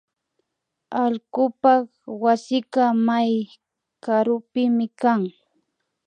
Allkupak wasika may karupimi kan